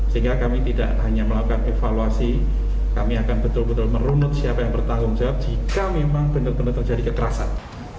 sehingga kami tidak hanya melakukan evaluasi kami akan betul betul merunut siapa yang bertanggung jawab jika memang benar benar terjadi kekerasan